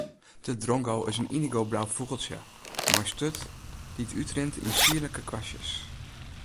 De drongo is in yndigoblau fûgeltsje mei in sturt dy't útrint yn sierlike kwastjes.